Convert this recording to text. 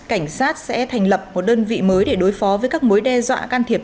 cảnh sát sẽ thành lập một đơn vị mới để đối phó với các mối đe dọa can thiệp